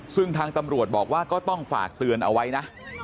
ซึ่งทางตำรวจบอกว่าก็ต้องฝากเตือนเอาไว้นะ